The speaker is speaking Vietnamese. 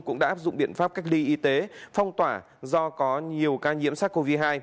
cũng đã áp dụng biện pháp cách ly y tế phong tỏa do có nhiều ca nhiễm sars cov hai